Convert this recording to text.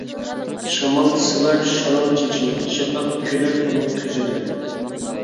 شامال سىلار شالاڭ چېچىنى، شەپەق كۈلەر ئۇنىڭ كۆزىدە.